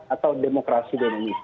atau demokrasi dengan miskinya